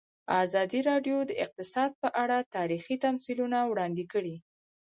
ازادي راډیو د اقتصاد په اړه تاریخي تمثیلونه وړاندې کړي.